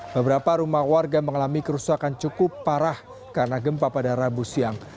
beberapa rumah warga mengalami kerusakan cukup parah karena gempa pada rabu siang